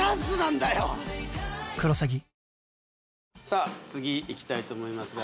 さあ次いきたいと思います